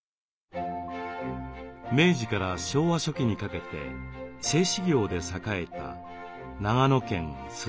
明治から昭和初期にかけて製糸業で栄えた長野県須坂市。